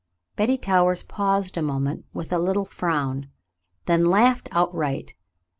Betty Towers paused a moment with a little frown, then laughed outright.